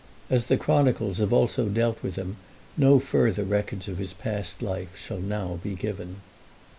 As the chronicles have also dealt with him, no further records of his past life shall now be given.